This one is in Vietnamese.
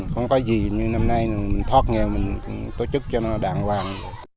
không có gì như năm nay mình thoát nghèo mình tổ chức cho nó đàng hoàng